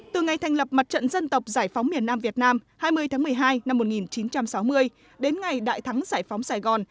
từ ngày thành lập mặt trận dân tộc giải phóng miền nam việt nam hai mươi tháng một mươi hai năm một nghìn chín trăm sáu mươi đến ngày đại thắng giải phóng sài gòn